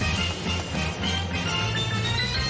พืชที่ใหญ่ก็ทำเงินได้ง่ายง่าย